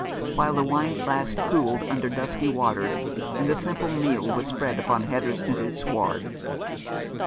while the wine flask cooled under dusky waters, and the simple meal was spread upon heather scented sward.